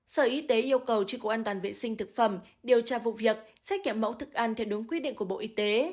sở y tế yêu cầu tri cục an toàn vệ sinh thực phẩm điều tra vụ việc xét nghiệm mẫu thức ăn theo đúng quy định của bộ y tế